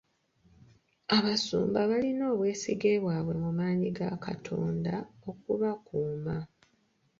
Abasumba balina obwesige bwabwe mu maanyi ga Katonda okubakuuma.